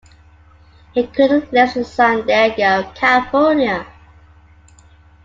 He currently lives in San Diego, California.